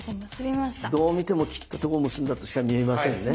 どう見ても切ったとこ結んだとしか見えませんね？